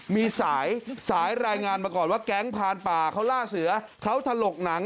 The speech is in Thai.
มีสายสายรายงานมาก่อนว่าแก๊งพานป่าเขาล่าเสือเขาถลกหนัง